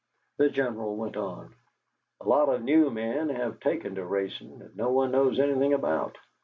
The General went on: "A lot of new men have taken to racing that no one knows anything about.